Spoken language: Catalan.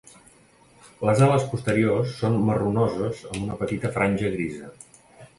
Les ales posteriors són marronoses amb una petita franja grisa.